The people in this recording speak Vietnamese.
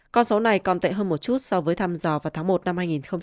con số này còn tệ hơn một chút so với thăm dò vào tháng một năm hai nghìn hai mươi